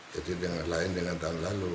jadi dengan lain dengan tahun lalu